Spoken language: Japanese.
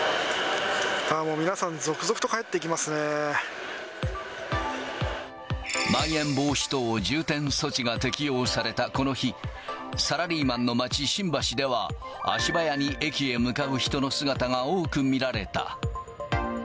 皆さん、まん延防止等重点措置が適用されたこの日、サラリーマンの街、新橋では足早に駅へ向かう人の姿が多く見られた。